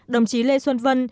đồng chí lê xuân vân